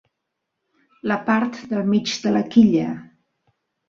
La part del mig de la quilla.